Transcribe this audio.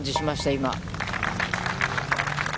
今。